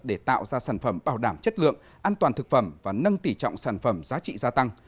để tạo ra sản phẩm bảo đảm chất lượng an toàn thực phẩm và nâng tỉ trọng sản phẩm giá trị gia tăng